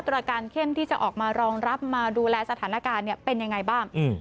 รการเข้มที่จะออกมารองรับมาดูแลสถานการณ์เป็นยังไงบ้าง